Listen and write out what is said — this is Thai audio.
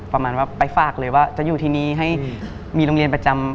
ประมาณว่าไปฝากเลยว่าจะอยู่ที่นี้ให้มีโรงเรียนประจำ